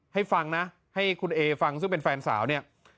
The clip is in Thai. ให้ฟังนะให้คุณเอฟังซึ่งเป็นแฟนสาวเนี่ย